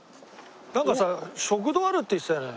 なんかさ食堂あるって言ってたよね。